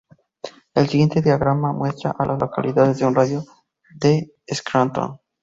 El siguiente diagrama muestra a las localidades en un radio de de Scranton.